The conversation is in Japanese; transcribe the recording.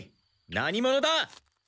何者だ？